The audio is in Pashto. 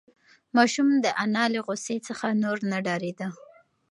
ماشوم د انا له غوسې څخه نور نه ډارېده.